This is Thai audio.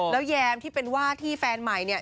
แล้วแยมที่เป็นว่าที่แฟนใหม่เนี่ย